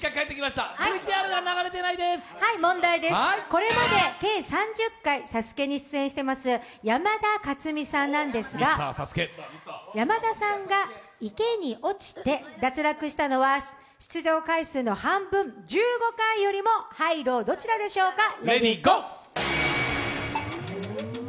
これまで計３０回、「ＳＡＳＵＫＥ」に出演しています山田勝巳さんなんですが、山田さんが池に落ちて脱落したのは、出場回数の半分１５回よりもハイ、ローどちらでしょうか。